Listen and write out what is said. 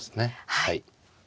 はい。